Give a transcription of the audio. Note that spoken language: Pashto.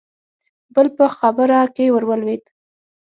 بل په خبره کې ورولوېد: